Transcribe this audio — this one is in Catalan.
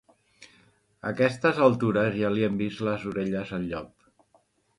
A aquestes altures ja li hem vist les orelles al llop.